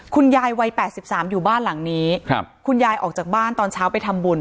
คุณยายวัย๘๓อยู่บ้านหลังนี้ครับคุณยายออกจากบ้านตอนเช้าไปทำบุญ